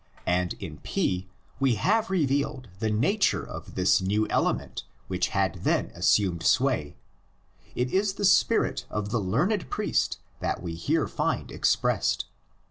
And in P we have revealed the nature of this new element which had then assumed sway, — it is the spirit of the learned priest that we here find expressed.